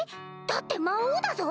だって魔王だぞ？